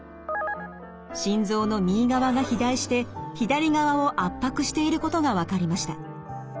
心臓の右側が肥大して左側を圧迫していることが分かりました。